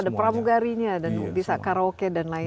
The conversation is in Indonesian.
ada pramugarinya dan bisa karaoke dan lain lain